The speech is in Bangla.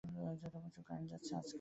প্রচুর কারেন্ট যাচ্ছে আজকাল।